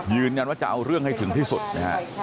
ยืนยันว่าจะเอาเรื่องให้ถึงที่สุดนะฮะ